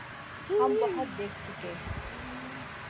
ہم بہت دیکھ چکے۔